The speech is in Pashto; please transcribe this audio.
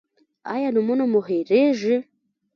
ایا نومونه مو هیریږي؟